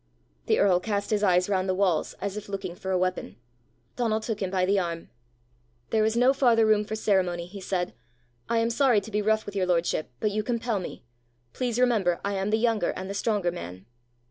The earl cast his eyes round the walls as if looking for a weapon. Donal took him by the arm. "There is no farther room for ceremony," he said. "I am sorry to be rough with your lordship, but you compel me. Please remember I am the younger and the stronger man."